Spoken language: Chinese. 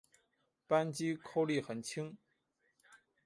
扳机扣力很轻。